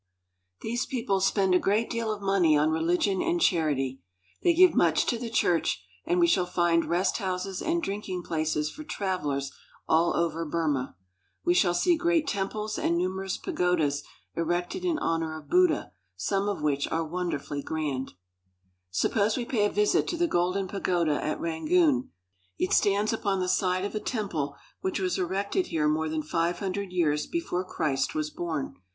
These people spend a great deal of money on religion and charity. They give much to the church, and we shall find rest houses and drinking places for travelers all over Burma. We shall see great temples and numerous pagodas erected in honor of Buddha, some of which are wonderfully grand. 2l6 IN BRITISH BURMA Suppose we pay a visit to the Golden Pagoda at Ran goon. It stands upon the site of a temple which was erected here more than five hundred years before Christ was born.